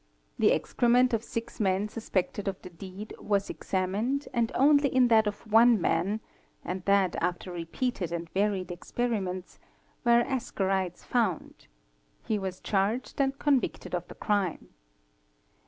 The _ excrement of six men suspected of the deed was examined and only in that of one man (and that after repeated and varied experiments) were asca rides found. He was charged and convicted of the crime.